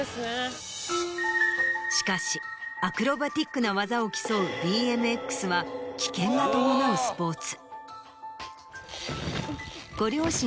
しかしアクロバティックな技を競うＢＭＸは危険が伴うスポーツ。